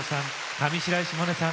上白石萌音さん